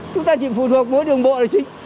chúng ta chỉ phụ thuộc mỗi đường bộ này chứ